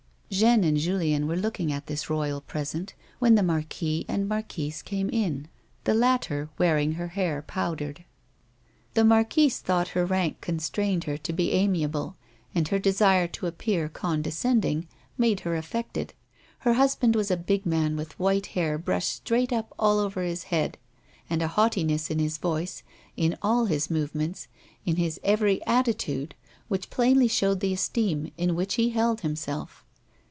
Jeanne and Julien were looking at this royal present when the marquis and marquise came in, the latter wearing her hair powdered. The marquise thought her rank constrained her to be amiable, and her desire to appear condescending made her 140 A WOMAN'S LIFE. affected. Her husband was a big man, with white hair brushed straight up all over his head, and a haughtiness in his voice, in all his movements, in his every attitude which plainly showed the esteem in which he held himself.